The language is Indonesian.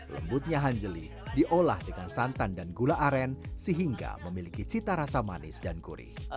lembutnya hanjeli diolah dengan santan dan gula aren sehingga memiliki cita rasa manis dan gurih